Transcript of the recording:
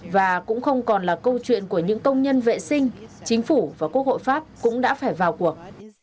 và cũng không còn là câu chuyện của những công nhân vệ sinh chính phủ và quốc hội pháp cũng đã phải vào cuộc